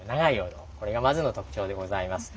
これがまずの特徴でございます。